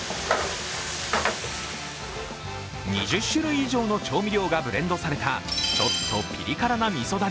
２０種類以上の調味料がブレンドされた、ちょっとピリ辛なみそ